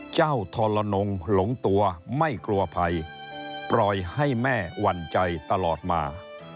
ทรนงหลงตัวไม่กลัวภัยปล่อยให้แม่หวั่นใจตลอดมา